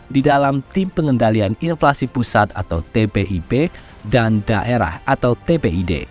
di dalam tim pengendalian inflasi pusat atau tpib dan daerah atau tpid